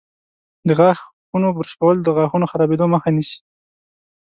د غاښونو برش کول د غاښونو خرابیدو مخه نیسي.